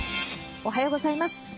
おはようございます。